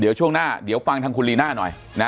เดี๋ยวช่วงหน้าเดี๋ยวฟังทางคุณลีน่าหน่อยนะ